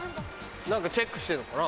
何かチェックしてるのかな？